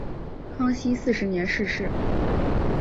康熙四十年逝世。